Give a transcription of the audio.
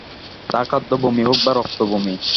তা খাদ্য বমি হোক বা রক্ত বমি।